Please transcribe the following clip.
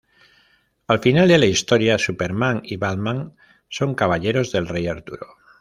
Al final de la historia, Superman y Batman son caballeros del Rey Arturo.